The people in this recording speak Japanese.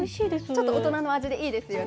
ちょっと大人の味でいいですよね。